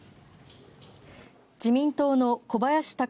自民党の小林貴虎